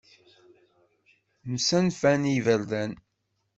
Msanfen i iberdan.